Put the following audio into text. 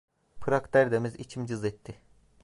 Prag der demez içim cız etti.